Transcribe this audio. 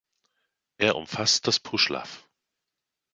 Er umfasst das Puschlav.